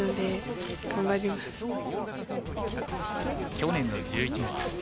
去年の１１月。